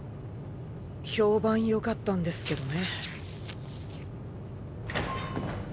評判よかったんですけどね。